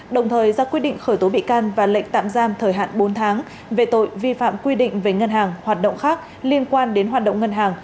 đồng thời ra quyết định khởi tố bị can và lệnh tạm giam thời hạn bốn tháng về tội vi phạm quy định về ngân hàng hoạt động khác liên quan đến hoạt động ngân hàng